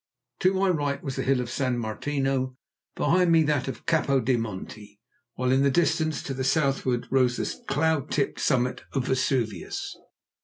To my right was the hill of San Martino, behind me that of Capo di Monte, while in the distance, to the southward, rose the cloud tipped summit of Vesuvius.